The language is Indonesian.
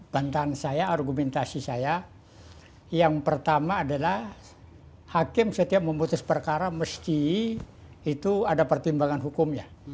bantahan saya argumentasi saya yang pertama adalah hakim setiap memutus perkara mesti itu ada pertimbangan hukumnya